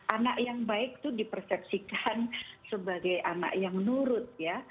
anak yang baik itu dipersepsikan sebagai anak yang nurut ya